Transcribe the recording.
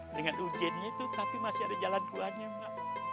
dengan ujiannya itu tapi masih ada jalan keluarnya mak